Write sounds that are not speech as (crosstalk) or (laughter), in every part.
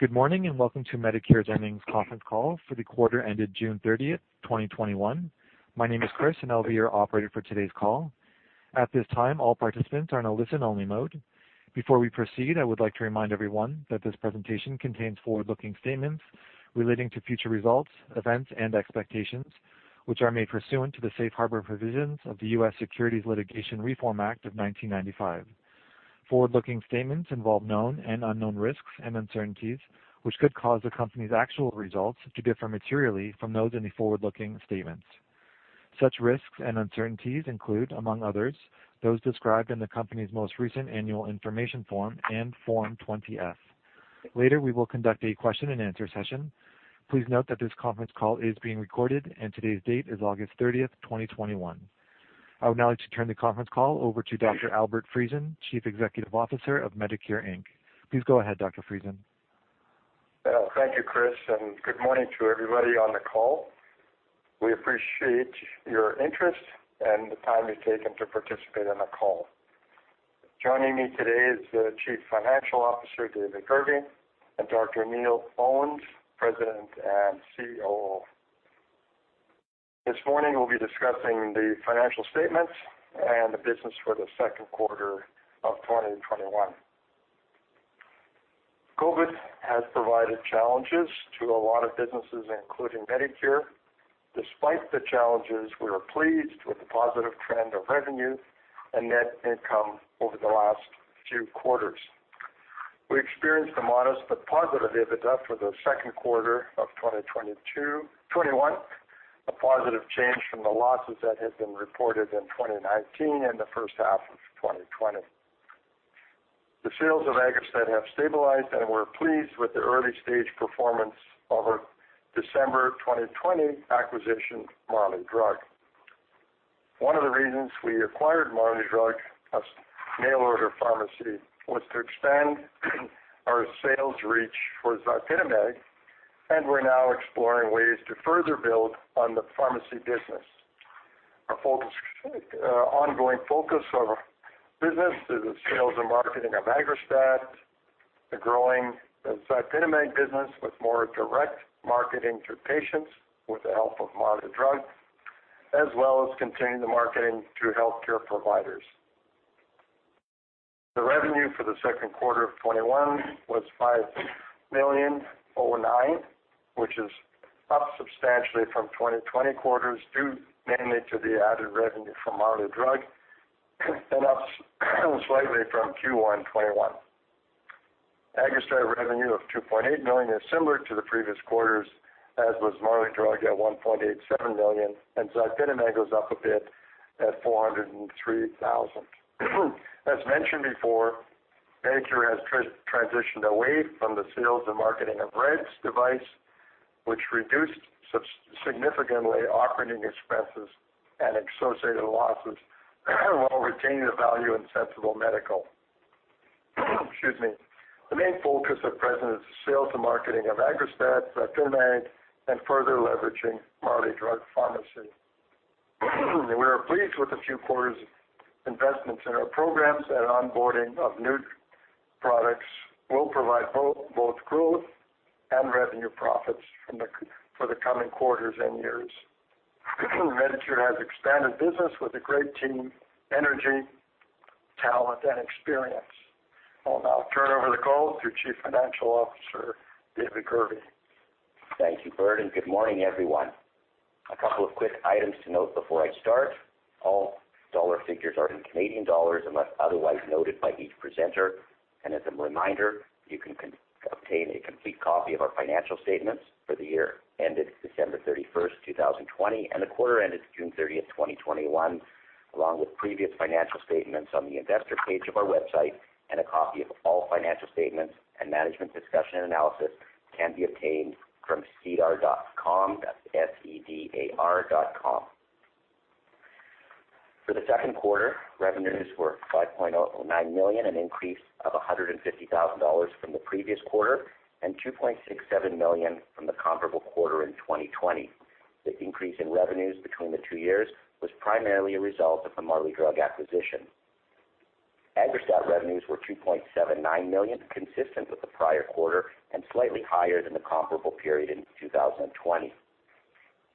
Good morning and welcome to Medicure's Earnings Conference Call for the quarter ended June 30th, 2021. My name is Chris, and I'll be your operator for today's call. At this time, all participants are in a listen-only mode. Before we proceed, I would like to remind everyone that this presentation contains forward-looking statements relating to future results, events, and expectations, which are made pursuant to the safe harbor provisions of the U.S. Securities Litigation Reform Act of 1995. Forward-looking statements involve known and unknown risks and uncertainties, which could cause the company's actual results to differ materially from those in the forward-looking statements. Such risks and uncertainties include, among others, those described in the company's most recent annual information form and Form 20-F. Later, we will conduct a question-and-answer session. Please note that this conference call is being recorded, and today's date is August 30th, 2021. I would now like to turn the conference call over to Dr. Albert Friesen, Chief Executive Officer of Medicure Inc. Please go ahead, Dr. Friesen. Thank you, Chris, and good morning to everybody on the call. We appreciate your interest and the time you've taken to participate in the call. Joining me today is the Chief Financial Officer, David Gurvey, and Dr. Neil Owens, President and COO. This morning, we'll be discussing the financial statements and the business for the second quarter of 2021. COVID has provided challenges to a lot of businesses, including Medicure. Despite the challenges, we are pleased with the positive trend of revenue and net income over the last few quarters. We experienced a modest but positive dividend after the second quarter of 2021, a positive change from the losses that had been reported in 2019 and the first half of 2020. The sales of AGGRASTAT have stabilized, and we're pleased with the early-stage performance of our December 2020 acquisition, Marley Drug. One of the reasons we acquired Marley Drug, a mail-order pharmacy, was to expand our sales reach for ZYPITAMAG, and we're now exploring ways to further build on the pharmacy business. Our ongoing focus of business is the sales and marketing of AGGRASTAT, the growing ZYPITAMAG business with more direct marketing to patients with the help of Marley Drug, as well as continuing the marketing to healthcare providers. The revenue for the second quarter of 2021 was 5,000,009, which is up substantially from 2020 quarters, due mainly to the added revenue from Marley Drug and up slightly from Q1 2021. AGGRASTAT revenue of 2.8 million is similar to the previous quarters, as was Marley Drug at 1.87 million, and ZYPITAMAG was up a bit at 403,000. As mentioned before, Medicure has transitioned away from the sales and marketing of the ReDS device, which reduced significantly operating expenses and associated losses while retaining the value in Sensible Medical. Excuse me. The main focus at present is the sales and marketing of AGGRASTAT, ZYPITAMAG, and further leveraging Marley Drug Pharmacy. We are pleased with the few quarters' investments in our programs and onboarding of new products will provide both growth and revenue profits for the coming quarters and years. Medicure has expanded business with a great team, energy, talent, and experience. I'll now turn over the call to Chief Financial Officer, David Gurvey. Thank you, Byrd, and good morning, everyone. A couple of quick items to note before I start. All dollar figures are in CAD unless otherwise noted by each presenter. As a reminder, you can obtain a complete copy of our financial statements for the year ended December 31, 2020, and the quarter ended June 30, 2021, along with previous financial statements on the investor page of our website, and a copy of all financial statements and management discussion analysis can be obtained from sedar.com. That is sedar.com. For the second quarter, revenues were 5.09 million, an increase of 150,000 dollars from the previous quarter, and 2.67 million from the comparable quarter in 2020. The increase in revenues between the two years was primarily a result of the Marley Drug acquisition. AGGRASTAT revenues were 2.79 million, consistent with the prior quarter, and slightly higher than the comparable period in 2020.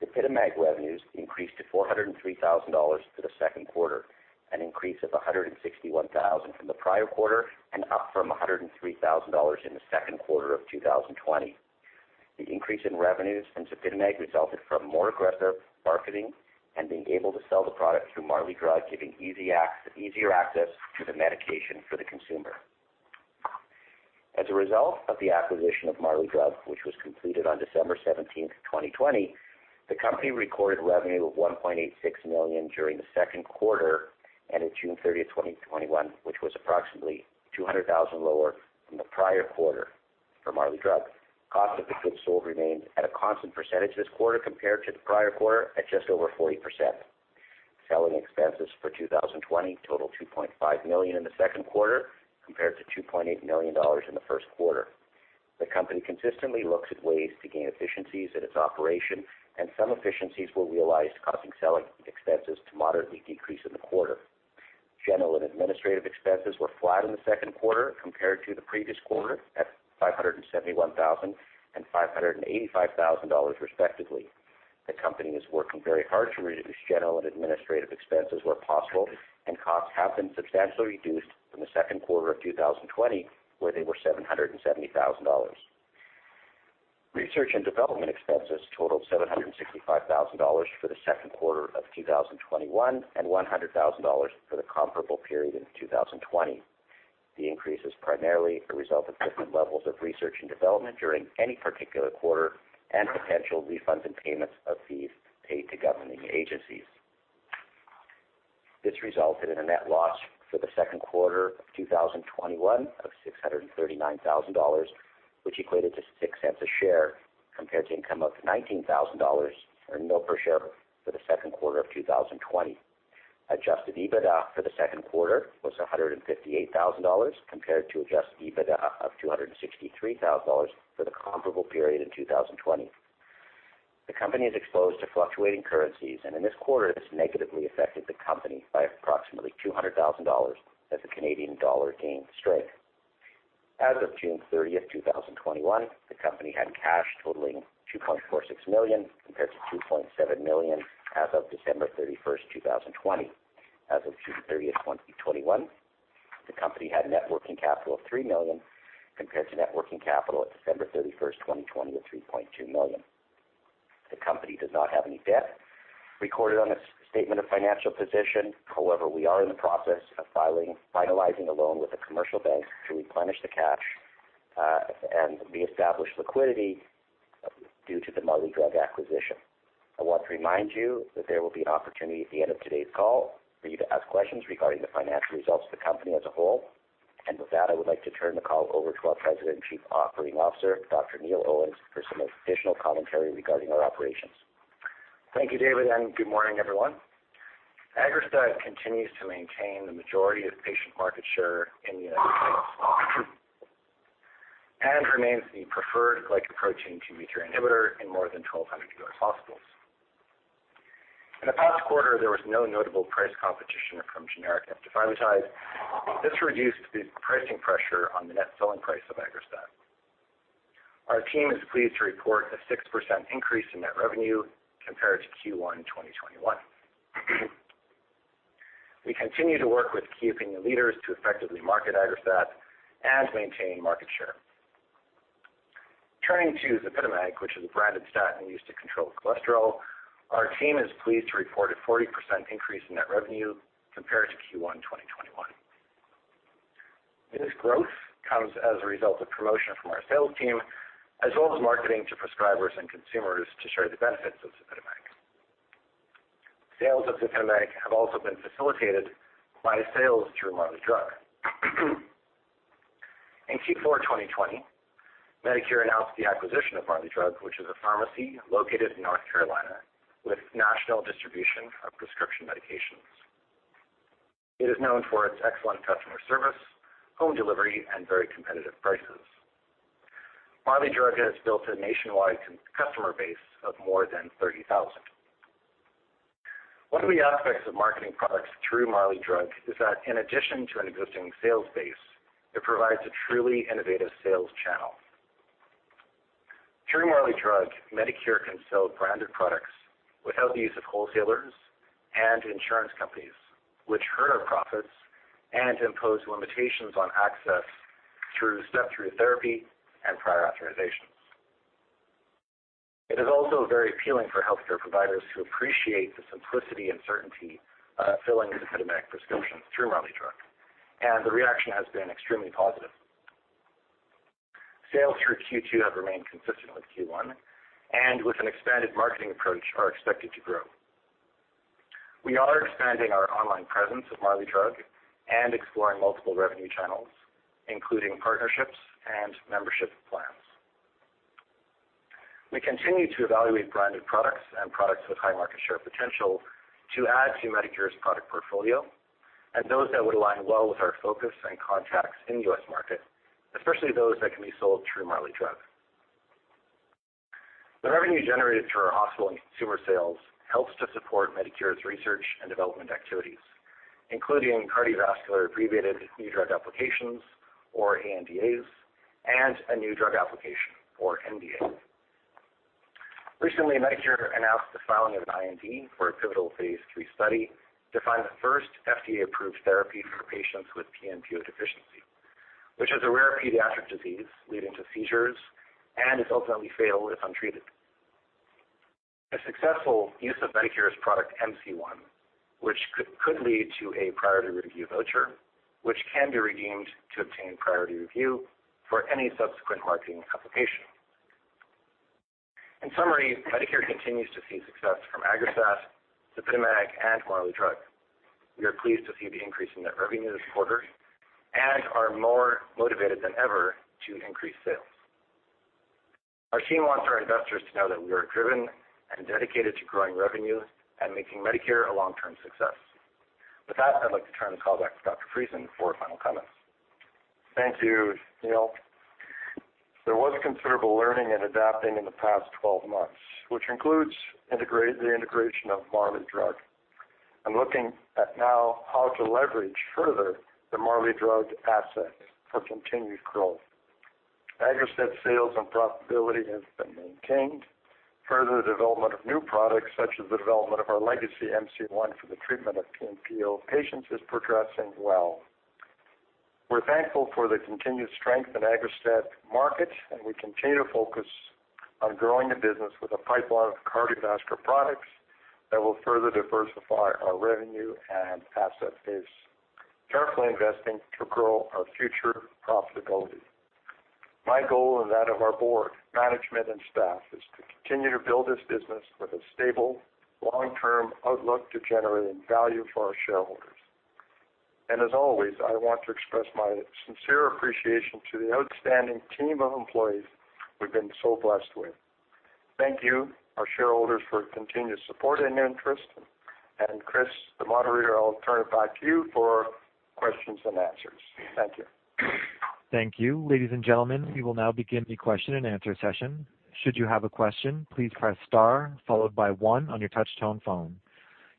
ZYPITAMAG revenues increased to 403,000 dollars for the second quarter, an increase of 161,000 from the prior quarter, and up from 103,000 dollars in the second quarter of 2020. The increase in revenues from ZYPITAMAG resulted from more aggressive marketing and being able to sell the product through Marley Drug, giving easier access to the medication for the consumer. As a result of the acquisition of Marley Drug, which was completed on December 17th, 2020, the company recorded revenue of 1.86 million during the second quarter and at June 30th, 2021, which was approximately 200,000 lower than the prior quarter for Marley Drug. Cost of the goods sold remained at a constant percentage this quarter compared to the prior quarter at just over 40%. Selling expenses for 2020 totaled 2.5 million in the second quarter compared to 2.8 million dollars in the first quarter. The company consistently looks at ways to gain efficiencies in its operation, and some efficiencies were realized, causing selling expenses to moderately decrease in the quarter. General and administrative expenses were flat in the second quarter compared to the previous quarter at 571,000 and 585,000 dollars, respectively. The company is working very hard to reduce general and administrative expenses where possible, and costs have been substantially reduced from the second quarter of 2020, where they were 770,000 dollars. Research and development expenses totaled 765,000 dollars for the second quarter of 2021 and 100,000 dollars for the comparable period in 2020. The increase is primarily a result of different levels of research and development during any particular quarter and potential refunds and payments of fees paid to governing agencies. This resulted in a net loss for the second quarter of 2021 of 639,000 dollars, which equated to 0.06 a share compared to income of 19,000 dollars or 0.00 per share for the second quarter of 2020. Adjusted EBITDA for the second quarter was 158,000 dollars compared to adjusted EBITDA of 263,000 dollars for the comparable period in 2020. The company is exposed to fluctuating currencies, and in this quarter, this negatively affected the company by approximately 200,000 dollars as the Canadian dollar gained strength. As of June 30, 2021, the company had cash totaling 2.46 million compared to 2.7 million as of December 31, 2020. As of June 30, 2021, the company had net working capital of 3 million compared to net working capital at December 31, 2020, of 3.2 million. The company does not have any debt recorded on its statement of financial position. However, we are in the process of finalizing a loan with a commercial bank to replenish the cash and reestablish liquidity due to the Marley Drug acquisition. I want to remind you that there will be an opportunity at the end of today's call for you to ask questions regarding the financial results of the company as a whole, and with that, I would like to turn the call over to our President and Chief Operating Officer, Dr. Neil Owens, for some additional commentary regarding our operations. Thank you, David, and good morning, everyone. AGGRASTAT continues to maintain the majority of patient market share in the (audio distortion) and remains the preferred glycoprotein IIb/IIIa inhibitor in more than 1,200 U.S. hospitals. In the past quarter, there was no notable price competition from generics and defibrillators. This reduced the pricing pressure on the net selling price of AGGRASTAT. Our team is pleased to report a 6% increase in net revenue compared to Q1 2021. We continue to work with key opinion leaders to effectively market AGGRASTAT and maintain market share. Turning to ZYPITAMAG, which is a branded statin used to control cholesterol, our team is pleased to report a 40% increase in net revenue compared to Q1 2021. This growth comes as a result of promotion from our sales team, as well as marketing to prescribers and consumers to share the benefits of ZYPITAMAG. Sales of ZYPITAMAG have also been facilitated by sales through Marley Drug. In Q4 2020, Medicure announced the acquisition of Marley Drug, which is a pharmacy located in North Carolina with national distribution of prescription medications. It is known for its excellent customer service, home delivery, and very competitive prices. Marley Drug has built a nationwide customer base of more than 30,000. One of the aspects of marketing products through Marley Drug is that, in addition to an existing sales base, it provides a truly innovative sales channel. Through Marley Drug, Medicure can sell branded products without the use of wholesalers and insurance companies, which hurt our profits and impose limitations on access through step-through therapy and prior authorizations. It is also very appealing for healthcare providers who appreciate the simplicity and certainty of filling ZYPITAMAG prescriptions through Marley Drug, and the reaction has been extremely positive. Sales through Q2 have remained consistent with Q1, and with an expanded marketing approach, are expected to grow. We are expanding our online presence of Marley Drug and exploring multiple revenue channels, including partnerships and membership plans. We continue to evaluate branded products and products with high market share potential to add to Medicure's product portfolio and those that would align well with our focus and contracts in the U.S. market, especially those that can be sold through Marley Drug. The revenue generated through our hospital and consumer sales helps to support Medicure's research and development activities, including cardiovascular Abbreviated New Drug Applications, or ANDAs, and a New Drug Application, or NDA. Recently, Medicure announced the filing of an IND for a pivotal phase III study to find the first FDA-approved therapy for patients with PNPO deficiency, which is a rare pediatric disease leading to seizures and is ultimately fatal if untreated. A successful use of Medicure's product MC1, which could lead to a priority review voucher, can be redeemed to obtain priority review for any subsequent marketing application. In summary, Medicure continues to see success from AGGRASTAT, ZYPITAMAG, and Marley Drug. We are pleased to see the increase in net revenue this quarter and are more motivated than ever to increase sales. Our team wants our investors to know that we are driven and dedicated to growing revenue and making Medicure a long-term success. With that, I'd like to turn the call back to Dr. Friesen for final comments. Thank you, Neil. There was considerable learning and adapting in the past 12 months, which includes the integration of Marley Drug and looking at now how to leverage further the Marley Drug assets for continued growth. AGGRASTAT's sales and profitability have been maintained. Further, the development of new products, such as the development of our legacy MC1 for the treatment of PNPO patients, is progressing well. We're thankful for the continued strength in AGGRASTAT's market, and we continue to focus on growing the business with a pipeline of cardiovascular products that will further diversify our revenue and asset base, carefully investing to grow our future profitability. My goal and that of our board, management, and staff is to continue to build this business with a stable, long-term outlook to generate value for our shareholders. I want to express my sincere appreciation to the outstanding team of employees we've been so blessed with. Thank you, our shareholders, for continued support and interest. Chris, the moderator, I'll turn it back to you for questions and answers. Thank you. Thank you. Ladies and gentlemen, we will now begin the question and answer session. Should you have a question, please press star followed by one on your touch-tone phone.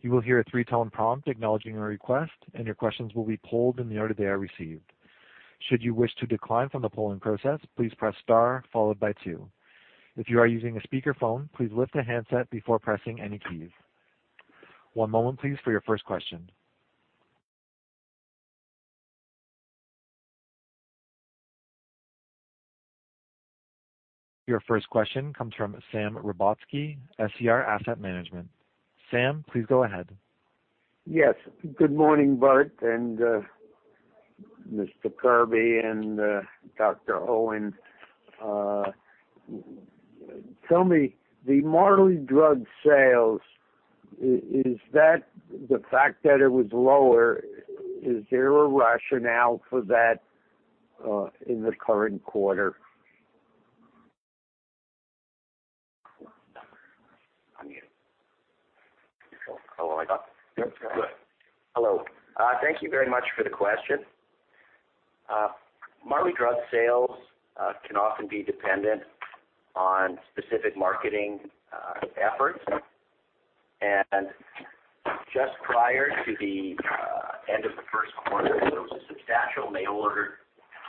You will hear a three-tone prompt acknowledging your request, and your questions will be polled in the order they are received. Should you wish to decline from the polling process, please press star followed by two. If you are using a speakerphone, please lift a handset before pressing any keys. One moment, please, for your first question. Your first question comes from Sam Rybotsky, SER Asset Management. Sam, please go ahead. Yes. Good morning, Albert and Mr. Gurvey and Dr. Owens. Tell me, the Marley Drug sales, is that the fact that it was lower? Is there a rationale for that in the current quarter? I'm muted. Hello, I got you. Yep. Good. Hello. Thank you very much for the question. Marley Drug sales can often be dependent on specific marketing efforts. Just prior to the end of the first quarter, there was a substantial mail-order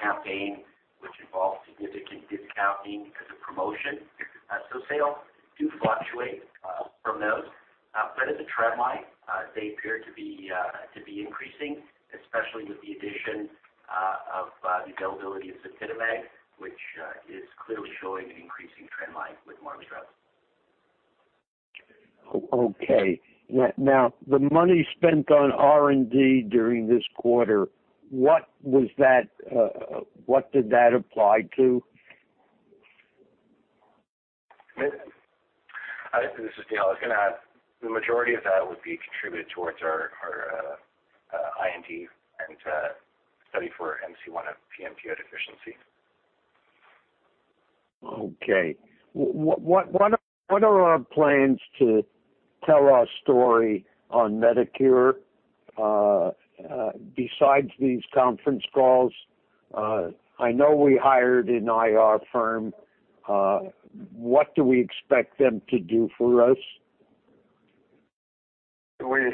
campaign which involved significant discounting as a promotion. Sales do fluctuate from those, but as a trend line, they appear to be increasing, especially with the addition of the availability of ZYPITAMAG, which is clearly showing an increasing trend line with Marley Drug. Okay. Now, the money spent on R&D during this quarter, what did that apply to? This is Neil. I was going to add the majority of that would be contributed towards our IND and study for MC1 of PNPO deficiency. Okay. What are our plans to tell our story on Medicure besides these conference calls? I know we hired an IR firm. What do we expect them to do for us? We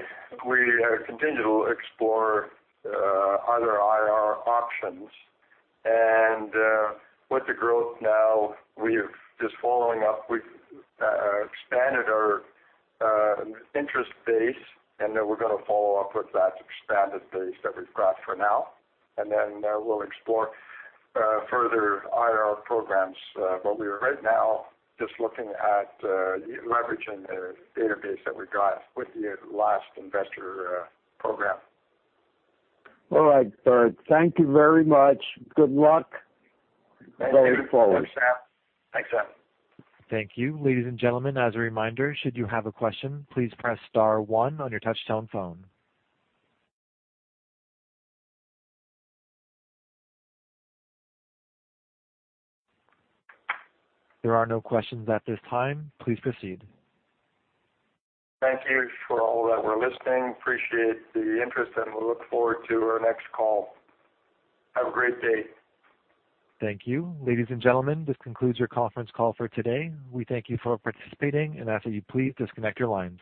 continue to explore other IR options. With the growth now, we've just, following up, we've expanded our interest base, and we're going to follow up with that expanded base that we've got for now. We will explore further IR programs. Right now, we are just looking at leveraging the database that we got with the last investor program. All right, Albert. Thank you very much. Good luck. Thank you. Going forward. Thanks, Sam. Thank you. Ladies and gentlemen, as a reminder, should you have a question, please press star one on your touch-tone phone. There are no questions at this time. Please proceed. Thank you for all that were listening. Appreciate the interest, and we'll look forward to our next call. Have a great day. Thank you. Ladies and gentlemen, this concludes your conference call for today. We thank you for participating, and after you, please disconnect your lines.